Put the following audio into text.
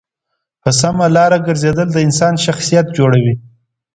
په سمه لاره گرځېدل د انسان شخصیت جوړوي.